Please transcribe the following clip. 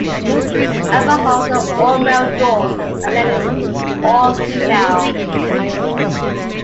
Albert Hall was an all-male dorm, and Lemming an all-female.